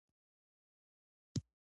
اتلان د ټولنې له منل شویو دودونو سرغړونه کوي.